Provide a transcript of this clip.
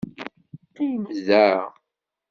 Qqim da!